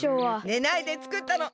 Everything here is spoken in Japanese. ねないでつくったの。